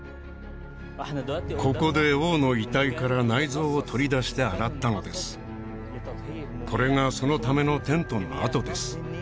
ここで王の遺体から内臓を取り出して洗ったのですこれがそのためのテントの跡です